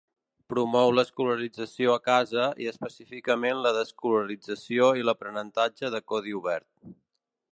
Promou l'escolarització a casa, i específicament la desescolarització i l'aprenentatge de codi obert.